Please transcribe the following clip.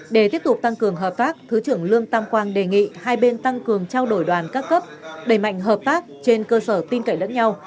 để tiếp tục tăng cường hợp tác thứ trưởng lương tam quang đề nghị hai bên tăng cường trao đổi đoàn các cấp đẩy mạnh hợp tác trên cơ sở tin cậy lẫn nhau